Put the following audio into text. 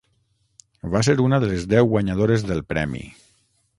Va ser una de les deu guanyadores del premi.